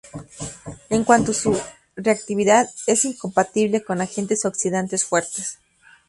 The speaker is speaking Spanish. En cuanto a su reactividad, es incompatible con agentes oxidantes fuertes.